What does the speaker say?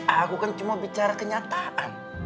aku kan cuma bicara kenyataan